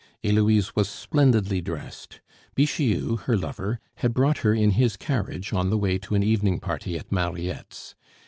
Heloise was splendidly dressed. Bixiou, her lover, had brought her in his carriage on the way to an evening party at Mariette's.